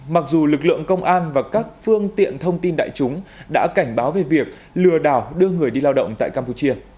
mặc dù lực lượng công an và các phương tiện thông tin đại chúng đã cảnh báo về việc lừa đảo đưa người đi lao động tại campuchia